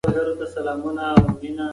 پوهه به ټولنه بدله کړې وي.